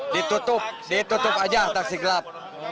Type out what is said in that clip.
ditutup ditutup aja taksi gelap